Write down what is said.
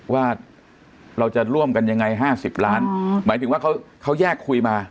ว่าเราจะร่วมกันยังไง๕๐ล้านหมายถึงว่าเขาแยกคุยมา